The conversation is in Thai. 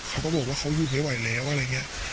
เขาก็บอกว่าเขาอยู่ไม่ไหวแล้วอะไรอย่างนี้